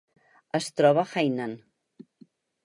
Es troba a Hainan.